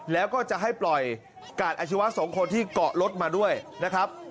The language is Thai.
แล้วก็จะให้ปล่อยกาดอาชีวะสองคนที่เกาะรถมาด้วยนะครับ